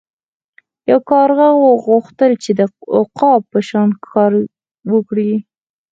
یو کارغه غوښتل چې د عقاب په شان ښکار وکړي.